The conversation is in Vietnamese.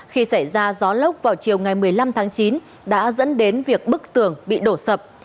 khi xảy ra gió lốc vào chiều ngày một mươi năm tháng chín đã dẫn đến việc bức tường bị đổ sập